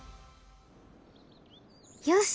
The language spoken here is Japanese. よし！